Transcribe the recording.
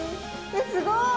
すごい。